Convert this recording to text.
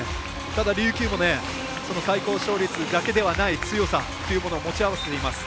ただ、琉球もその最高勝率だけではない強さというのも持ち合わせています。